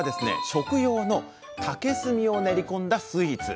食用の竹炭を練り込んだスイーツ。